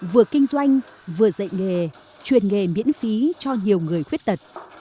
vừa kinh doanh vừa dạy nghề truyền nghề miễn phí cho nhiều người khuyết tật